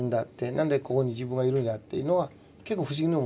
何でここに自分がいるんだっていうのは結構不思議に思うんですよね。